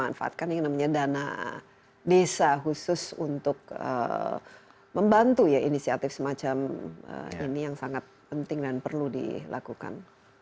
memanfaatkan yang namanya dana desa khusus untuk membantu ya inisiatif semacam ini yang sangat penting dan perlu dilakukan